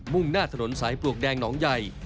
่งหน้าถนนสายปลวกแดงหนองใหญ่